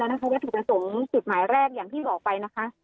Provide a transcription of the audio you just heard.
แล้วต้องส่งหมายเรียกอย่างที่ออกไปนะคะ